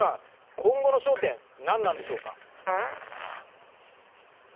今後の焦点なんなんでしょうか。